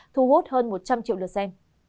thu hút hơn một trăm linh triệu lượt xem